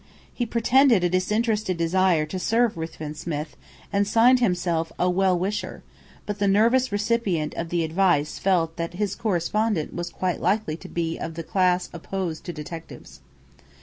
He pretended a disinterested desire to serve Ruthven Smith, and signed himself, "A Well Wisher"; but the nervous recipient of the advice felt that his correspondent was quite likely to be of the class opposed to detectives.